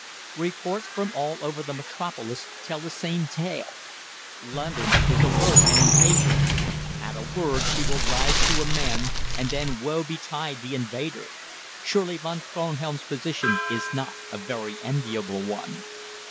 "Reports from all over the metropolis tell the same tale. London is alert and impatient. At a word she will rise to a man, and then woe betide the invader! Surely Von Kronhelm's position is not a very enviable one.